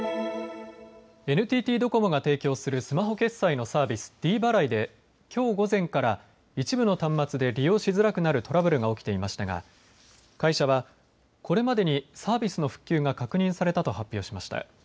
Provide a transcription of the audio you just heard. ＮＴＴドコモが提供するスマホ決済のサービス、ｄ払いできょう午前から一部の端末で利用しづらくなるトラブルが起きていましたが会社はこれまでにサービスの復旧が確認されたと発表しました。